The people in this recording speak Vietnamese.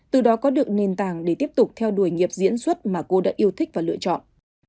từ đó có được nền tảng để tiếp tục theo đuổi nghiệp diễn xuất mà cô đã yêu thích và lựa chọn